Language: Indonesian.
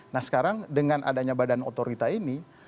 nah sekarang dengan adanya badan otorita ini